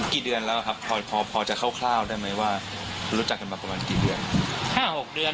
กี่เดือนละครับพอพอจะคร่าวได้ไหมว่ารู้จักกันมาก้ี้เดือน